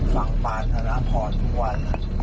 ฟังปานธนพรทุกวัน